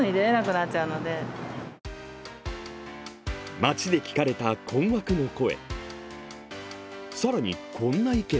街で聞かれた困惑の声。